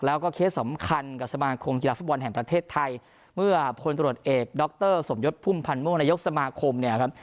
แล้วก็เคสสำคัญกับสมาคมกีฬาฟุตบอลแห่งประเทศไทยเมื่อพลตรวจเอกดรสมยศพุ่มพันธ์ม่วงนายกสมาคมเนี่ยครับ